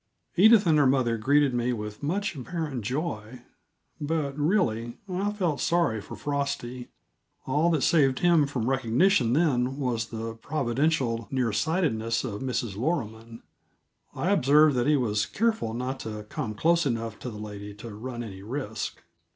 Edith and her mother greeted me with much apparent joy, but, really, I felt sorry for Frosty; all that saved him from recognition then was the providential near sightedness of Mrs. Loroman. I observed that he was careful not to come close enough to the lady to run any risk.